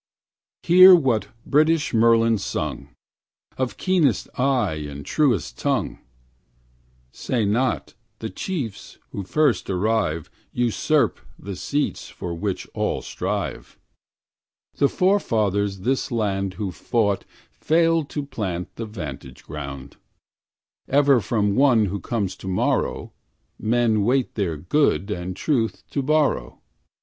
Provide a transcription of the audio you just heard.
II Hear what British Merlin sung, Of keenest eye and truest tongue. Say not, the chiefs who first arrive Usurp the seats for which all strive; The forefathers this land who found Failed to plant the vantage ground; Ever from one who comes to morrow Men wait their good and truth to borrow.